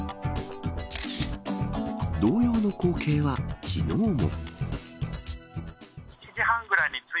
同様の光景は昨日も。